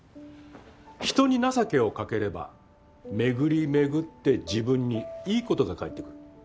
人に情けをかければ巡り巡って自分にいいことが返ってくる。